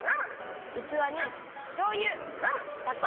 うつわにしょうゆさとう。